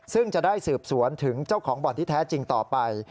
ซึ่งจะได้สืบสวนถึงเจ้าของบ่อนที่แท้จริงต่อไป